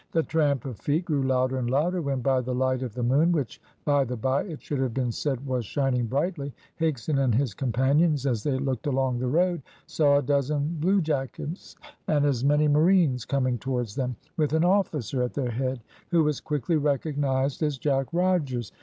The tramp of feet grew louder and louder, when, by the light of the moon, which, by the bye, it should have been said, was shining brightly, Higson and his companions, as they looked along the road, saw a dozen bluejackets and as many marines coming towards them, with an officer at their head, who was quickly recognised as Jack Rogers.